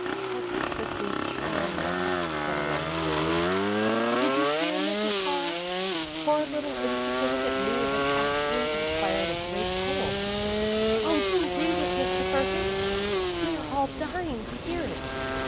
"How perfectly charming," said Elaine, clearly. "Did you hear, Mrs. Carr? Poor little, insignificant me has actually inspired a great poem. Oh, do read it, Mr. Perkins? We are all dying to hear it!"